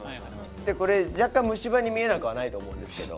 これ若干虫歯に見えなくはないと思うんですけど。